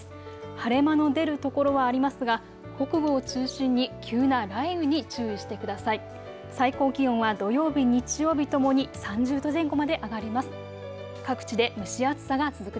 晴れ間の出るところはありますが北部を中心に急な雷雨に注意してください。